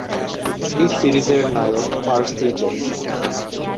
এই সিরিজের নায়ক পার্সি জ্যাকসন।